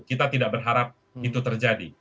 kita tidak berharap itu terjadi